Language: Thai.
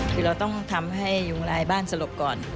คือเราต้องทำให้ยุงลายบ้านสลบก่อน